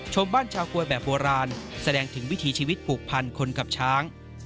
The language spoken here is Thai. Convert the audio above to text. ชมบ้านชาวกลวยแบบโบราณแสดงถึงวิถีชีวิตผูกพันคนกับช้าง